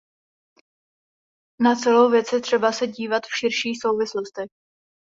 Na celou věc je třeba se dívat v širších souvislostech.